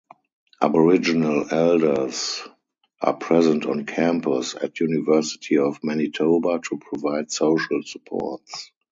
Aboriginal Elders are present on campus at University of Manitoba to provide social supports.